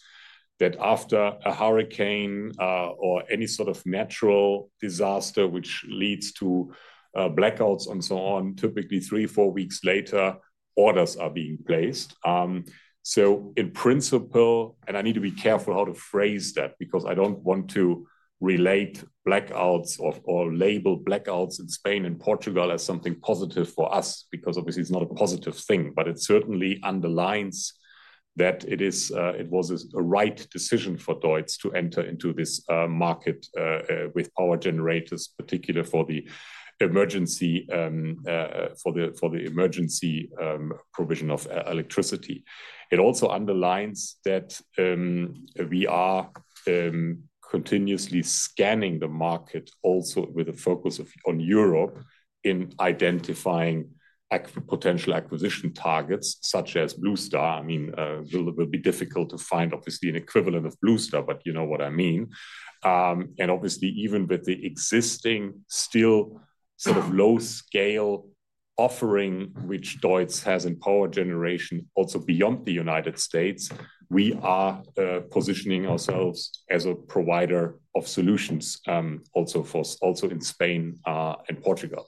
that after a hurricane or any sort of natural disaster, which leads to blackouts and so on, typically three, four weeks later, orders are being placed. In principle, and I need to be careful how to phrase that because I do not want to relate blackouts or label blackouts in Spain and Portugal as something positive for us because obviously it is not a positive thing, but it certainly underlines that it was a right decision for DEUTZ to enter into this market with power generators, particularly for the emergency provision of electricity. It also underlines that we are continuously scanning the market also with a focus on Europe in identifying potential acquisition targets such as Blue Star. I mean, it will be difficult to find, obviously, an equivalent of Blue Star Power Systems, but you know what I mean. Obviously, even with the existing still sort of low-scale offering, which DEUTZ has in power generation also beyond the United States, we are positioning ourselves as a provider of solutions also in Spain and Portugal.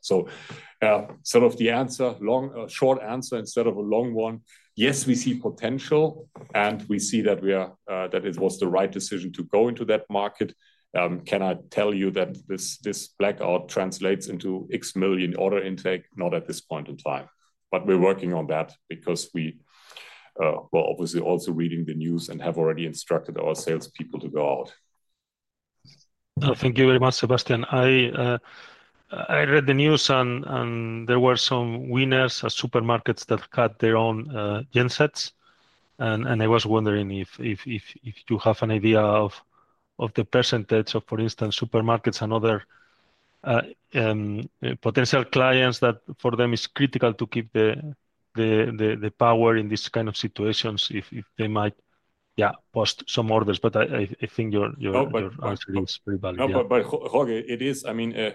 The short answer instead of a long one, yes, we see potential, and we see that it was the right decision to go into that market. Can I tell you that this blackout translates into X million order intake? Not at this point in time. We are working on that because we were obviously also reading the news and have already instructed our salespeople to go out. Thank you very much, Sebastian. I read the news, and there were some winners, supermarkets that cut their own gensets. I was wondering if you have an idea of the percentage of, for instance, supermarkets and other potential clients that for them is critical to keep the power in these kind of situations if they might, yeah, post some orders. I think your answer is very valuable. Jorge, it is. I mean,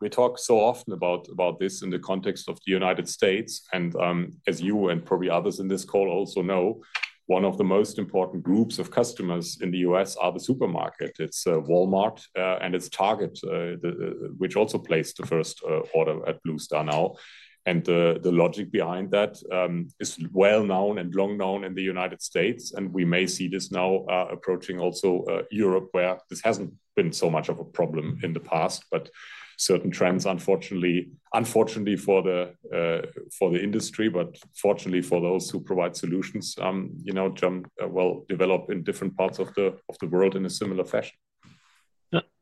we talk so often about this in the context of the United States. As you and probably others in this call also know, one of the most important groups of customers in the U.S. are the supermarket. It's Walmart and it's Target, which also placed the first order at Blue Star now. The logic behind that is well known and long known in the United States. We may see this now approaching also Europe, where this has not been so much of a problem in the past, but certain trends, unfortunately for the industry, but fortunately for those who provide solutions, develop in different parts of the world in a similar fashion.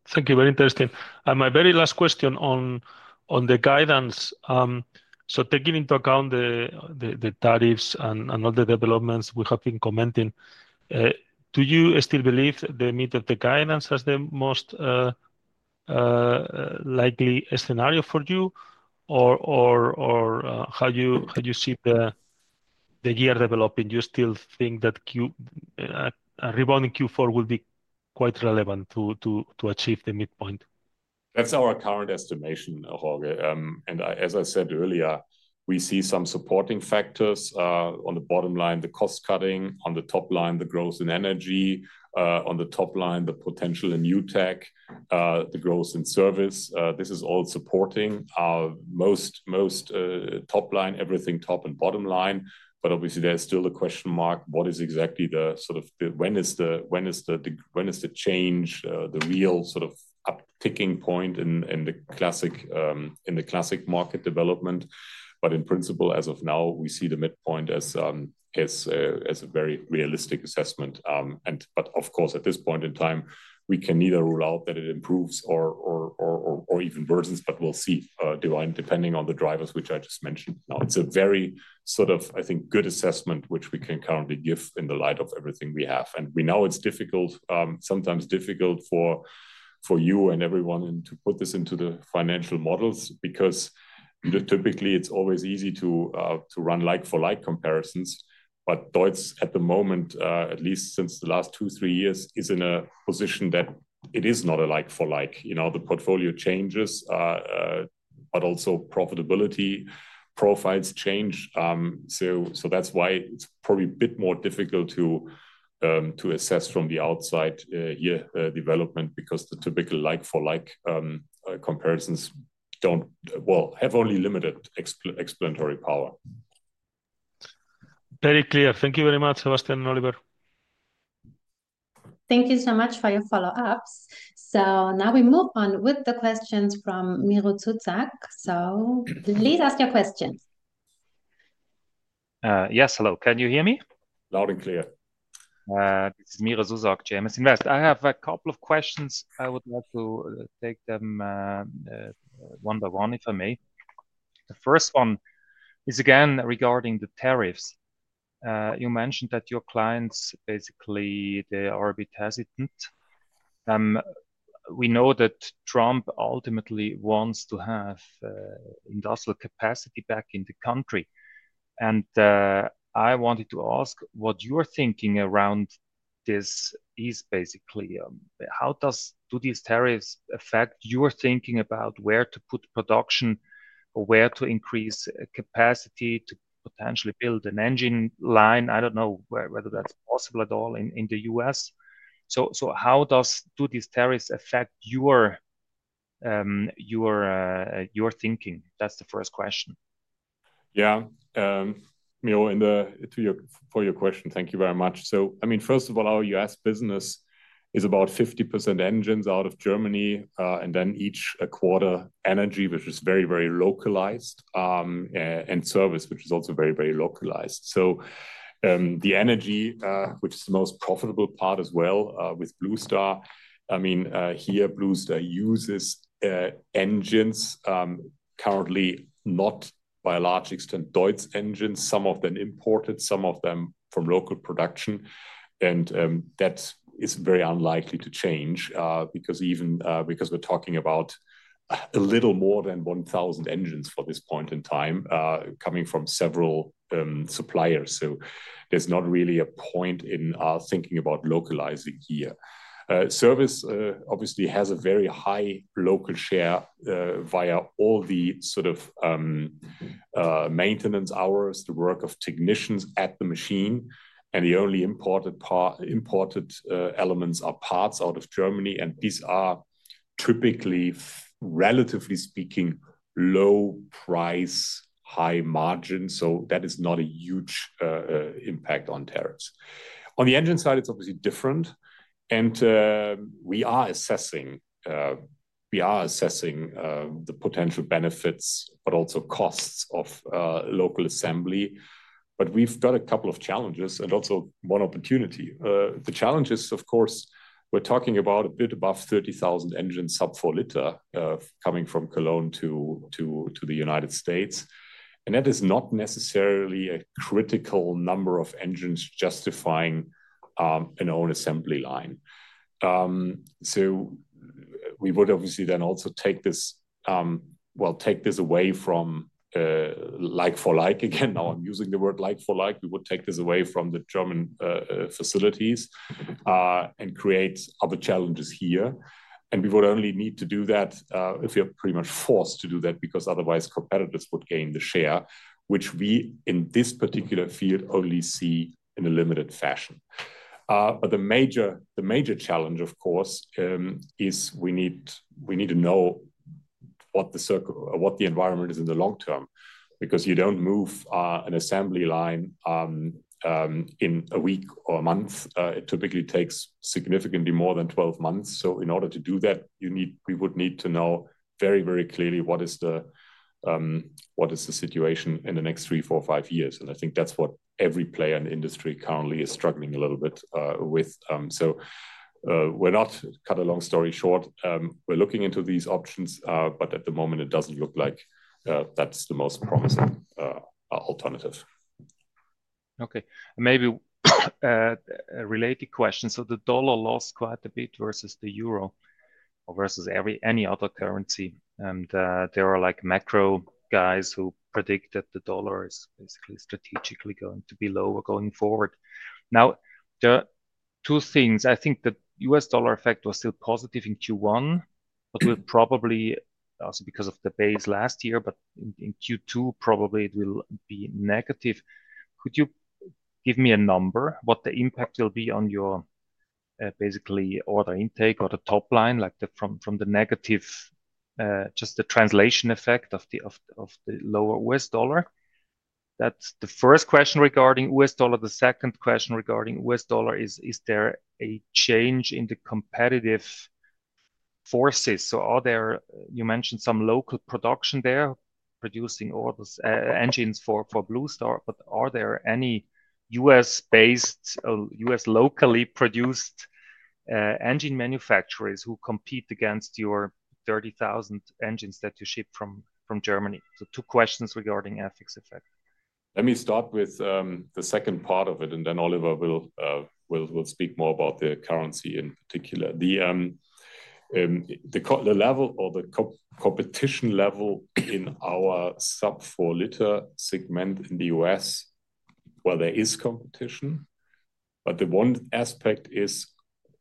Thank you. Very interesting. My very last question on the guidance. Taking into account the tariffs and all the developments we have been commenting, do you still believe the meeting of the guidance as the most likely scenario for you? How do you see the year developing? Do you still think that a rebound in Q4 will be quite relevant to achieve the midpoint? That is our current estimation, Jorge. As I said earlier, we see some supporting factors on the bottom line, the cost cutting. On the top line, the growth in energy. On the top line, the potential in new tech, the growth in service. This is all supporting our most top line, everything top and bottom line. Obviously, there's still the question mark, what is exactly the sort of when is the change, the real sort of up ticking point in the classic market development? In principle, as of now, we see the midpoint as a very realistic assessment. Of course, at this point in time, we can neither rule out that it improves or even worsens, but we'll see depending on the drivers, which I just mentioned. Now, it's a very sort of, I think, good assessment, which we can currently give in the light of everything we have. We know it's difficult, sometimes difficult for you and everyone to put this into the financial models because typically, it's always easy to run like-for-like comparisons. DEUTZ, at the moment, at least since the last two, three years, is in a position that it is not a like-for-like. The portfolio changes, but also profitability profiles change. That is why it is probably a bit more difficult to assess from the outside here development because the typical like-for-like comparisons do not, well, have only limited explanatory power. Very clear. Thank you very much, Sebastian and Oliver. Thank you so much for your follow-ups. Now we move on with the questions from Miro Zuzak. Please ask your questions. Yes. Hello. Can you hear me? Loud and clear. This is Miro Zuzak, JMS Invest. I have a couple of questions. I would like to take them one by one, if I may. The first one is again regarding the tariffs. You mentioned that your clients, basically, they are retentive. We know that Trump ultimately wants to have industrial capacity back in the country. I wanted to ask what you're thinking around this is basically, how do these tariffs affect your thinking about where to put production, where to increase capacity to potentially build an engine line? I don't know whether that's possible at all in the U.S.. How do these tariffs affect your thinking? That's the first question. Yeah. Miro, for your question, thank you very much. First of all, our U.S. business is about 50% engines out of Germany, and then each a quarter energy, which is very, very localized, and service, which is also very, very localized. The energy, which is the most profitable part as well with Blue Star, I mean, here Blue Star uses engines, currently not by a large extent DEUTZ engines, some of them imported, some of them from local production. That is very unlikely to change because we're talking about a little more than 1,000 engines for this point in time coming from several suppliers. There is not really a point in thinking about localizing here. Service obviously has a very high local share via all the sort of maintenance hours, the work of technicians at the machine. The only imported elements are parts out of Germany. These are typically, relatively speaking, low-price, high-margin. That is not a huge impact on tariffs. On the engine side, it's obviously different. We are assessing the potential benefits, but also costs of local assembly. We have got a couple of challenges and also one opportunity. The challenge is, of course, we are talking about a bit above 30,000 engines sub 4 liter coming from Cologne to the United States. That is not necessarily a critical number of engines justifying an own assembly line. We would obviously then also take this, well, take this away from like-for-like. Again, now I am using the word like-for-like. We would take this away from the German facilities and create other challenges here. We would only need to do that if we are pretty much forced to do that because otherwise competitors would gain the share, which we in this particular field only see in a limited fashion. The major challenge, of course, is we need to know what the environment is in the long term because you do not move an assembly line in a week or a month. It typically takes significantly more than 12 months. In order to do that, we would need to know very, very clearly what is the situation in the next three, four, five years. I think that is what every player in the industry currently is struggling a little bit with. We are not, to cut a long story short, we are looking into these options, but at the moment, it does not look like that is the most promising alternative. Okay. Maybe a related question. The dollar lost quite a bit versus the euro or versus any other currency. There are macro guys who predict that the dollar is basically strategically going to be lower going forward. Now, two things. I think the U.S. dollar effect was still positive in Q1, but will probably also because of the base last year. In Q2, probably it will be negative. Could you give me a number, what the impact will be on your basically order intake or the top line, like from the negative, just the translation effect of the lower U.S. dollar? That's the first question regarding US dollar. The second question regarding U.S. dollar is, is there a change in the competitive forces? You mentioned some local production there producing engines for Blue Star, but are there any U.S.-based or U.S. locally produced engine manufacturers who compete against your 30,000 engines that you ship from Germany? Two questions regarding FX effect. Let me start with the second part of it, and then Oliver will speak more about the currency in particular. The level or the competition level in our sub 4 liter segment in the U.S., there is competition. The one aspect is,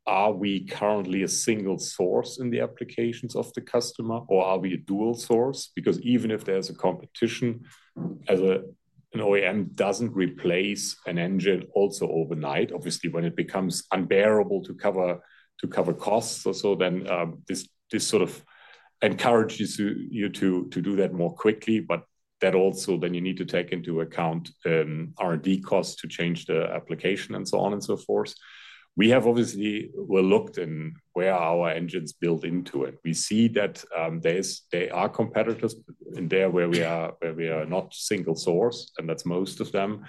are we currently a single source in the applications of the customer, or are we a dual source? Because even if there is competition, an OEM does not replace an engine also overnight. Obviously, when it becomes unbearable to cover costs or so, this sort of encourages you to do that more quickly. That also then you need to take into account R&D costs to change the application and so on and so forth. We have obviously looked in where our engines build into it. We see that there are competitors in there where we are not single source, and that is most of them.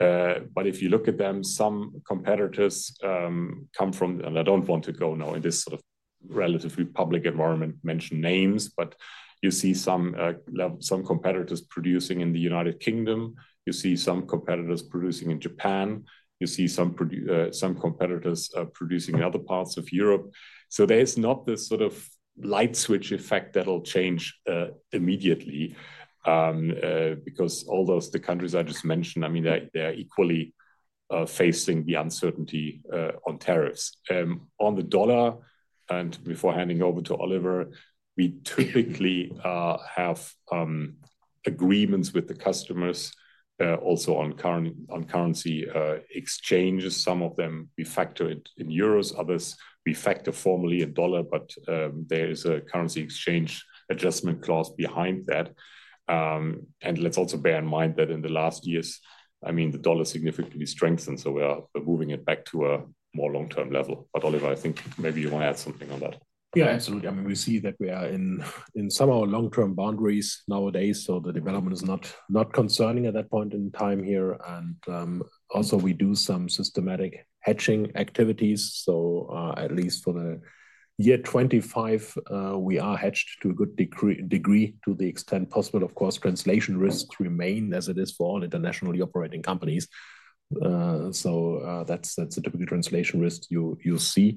If you look at them, some competitors come from, and I don't want to go now in this sort of relatively public environment, mention names, but you see some competitors producing in the United Kingdom You see some competitors producing in Japan. You see some competitors producing in other parts of Europe. There's not this sort of light switch effect that'll change immediately because all those countries I just mentioned, I mean, they're equally facing the uncertainty on tariffs. On the dollar, and before handing over to Oliver, we typically have agreements with the customers also on currency exchanges. Some of them we factor in euros. Others we factor formally in dollar, but there is a currency exchange adjustment clause behind that. Let's also bear in mind that in the last years, I mean, the dollar significantly strengthened. We are moving it back to a more long-term level. Oliver, I think maybe you want to add something on that. Yeah, absolutely. I mean, we see that we are in some of our long-term boundaries nowadays. The development is not concerning at that point in time here. Also, we do some systematic hedging activities. At least for the year 2025, we are hedged to a good degree to the extent possible. Of course, translation risks remain as it is for all internationally operating companies. That is the typical translation risk you'll see.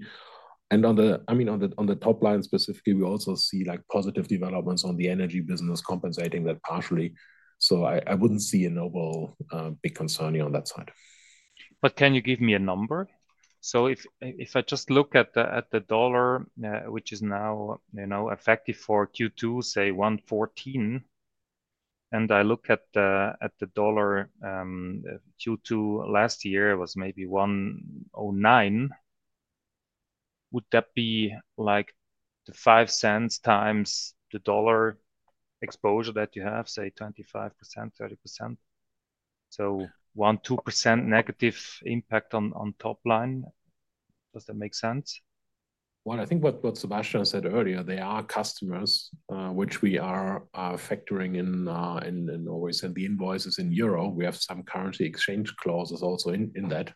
I mean, on the top line specifically, we also see positive developments on the energy business compensating that partially. I would not see a noble big concern on that side. Can you give me a number? If I just look at the dollar, which is now effective for Q2, say $1.14, and I look at the dollar Q2 last year, it was maybe $1.09. Would that be like the $0.05x the dollar exposure that you have, say 25%-30%? So 1%-2% negative impact on top line. Does that make sense? I think what Sebastian said earlier, they are customers, which we are factoring in always in the invoices in euro. We have some currency exchange clauses also in that.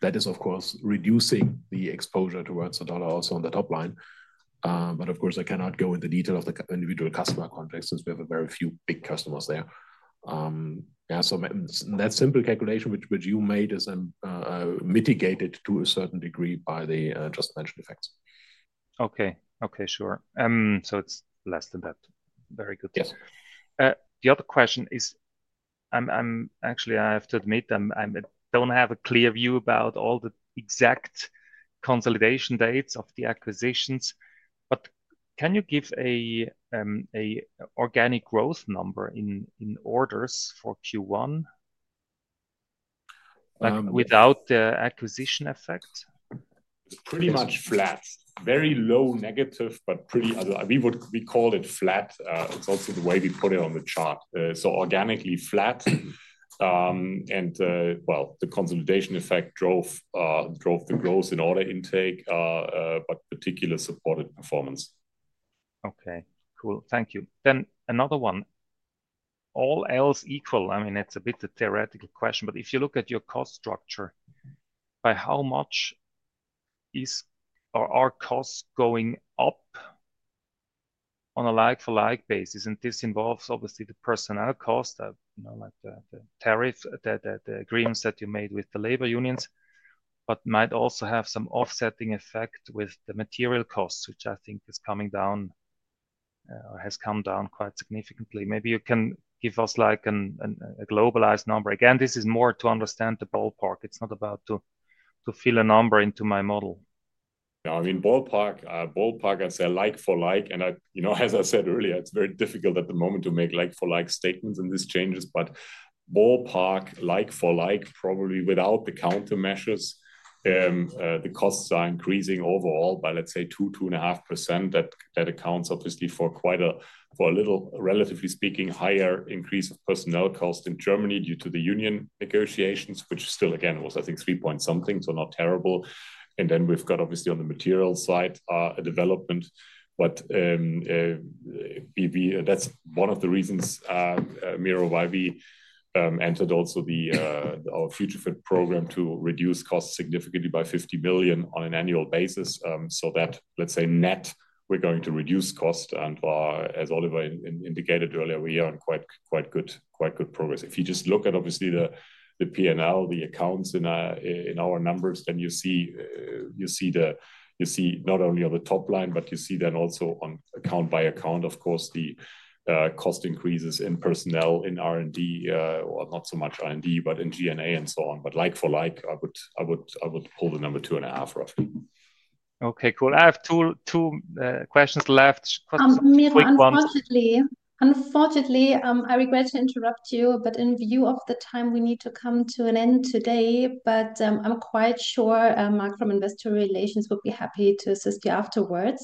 That is, of course, reducing the exposure towards the dollar also on the top line. Of course, I cannot go into detail of the individual customer context since we have very few big customers there. Yeah. That simple calculation which you made is mitigated to a certain degree by the just mentioned effects. Okay. Okay. Sure. It's less than that. Very good. The other question is, actually, I have to admit, I don't have a clear view about all the exact consolidation dates of the acquisitions. Can you give an organic growth number in orders for Q1 without the acquisition effect? Pretty much flat. Very low negative, but we call it flat. It's also the way we put it on the chart. Organically flat. The consolidation effect drove the growth in order intake, but particularly supported performance. Okay. Cool. Thank you. Another one. All else equal. I mean, it's a bit of a theoretical question, but if you look at your cost structure, by how much are costs going up on a like-for-like basis? This involves obviously the personnel cost, like the tariff, the agreements that you made with the labor unions, but might also have some offsetting effect with the material costs, which I think is coming down or has come down quite significantly. Maybe you can give us a globalized number. Again, this is more to understand the ballpark. It is not about to fill a number into my model. I mean, ballpark, as I like-for-like. As I said earlier, it is very difficult at the moment to make like-for-like statements in these changes. Ballpark, like-for-like, probably without the countermeasures, the costs are increasing overall by, let's say, 2-2.5%. That accounts obviously for quite a, relatively speaking, higher increase of personnel cost in Germany due to the union negotiations, which still, again, was, I think, three point something, so not terrible. We have obviously on the material side a development. That is one of the reasons, Miro, why we entered also our Future Fit program to reduce costs significantly by 50 million on an annual basis. That, let's say, net, we are going to reduce costs. As Oliver indicated earlier, we are in quite good progress. If you just look at obviously the P&L, the accounts in our numbers, you see not only on the top line, but you see also on account by account, of course, the cost increases in personnel, in R&D, or not so much R&D, but in G&A and so on. Like-for-like, I would pull the number 2.5 roughly. Okay. Cool. I have two questions left. Quick ones. Unfortunately, I regret to interrupt you, but in view of the time, we need to come to an end today. I'm quite sure Mark from Investor Relations would be happy to assist you afterwards.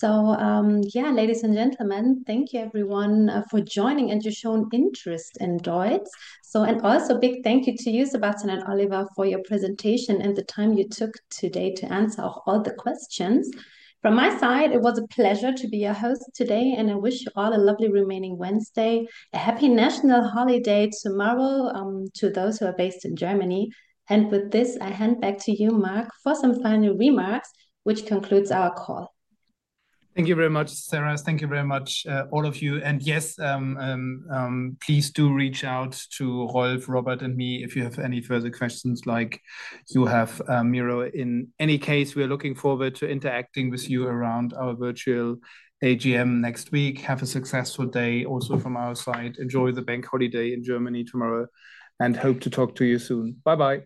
Yeah, ladies and gentlemen, thank you, everyone, for joining and your shown interest in DEUTZ. Also a big thank you to you, Sebastian and Oliver, for your presentation and the time you took today to answer all the questions. From my side, it was a pleasure to be your host today, and I wish you all a lovely remaining Wednesday, a happy national holiday tomorrow to those who are based in Germany. With this, I hand back to you, Mark, for some final remarks, which concludes our call. Thank you very much, Sarah. Thank you very much, all of you. Yes, please do reach out to Rolf, Robert, and me if you have any further questions like you have, Miro. In any case, we are looking forward to interacting with you around our virtual AGM next week. Have a successful day also from our side. Enjoy the bank holiday in Germany tomorrow and hope to talk to you soon. Bye-bye.